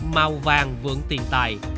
màu vàng vượng tiền tài